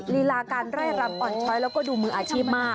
ลีลาการไล่รำอ่อนช้อยแล้วก็ดูมืออาชีพมาก